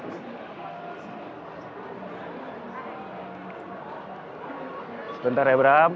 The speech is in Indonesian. sebentar ya bram